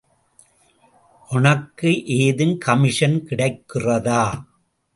ஒனக்கு ஏதும் கமிஷன் கிடைக்குறதா?